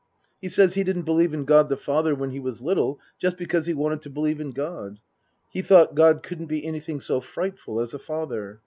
He says he didn't believe in God the Father when he was little, just because he wanted to believe in God. He thought God couldn't be anything so frightful as a father.